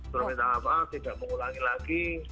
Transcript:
suruh minta maaf tidak mengulangi lagi